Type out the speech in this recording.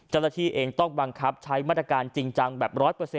เจ้าหน้าที่เองต้องบังคับใช้มาตรการจริงจังแบบ๑๐๐